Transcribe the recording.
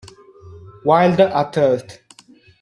Wild at Heart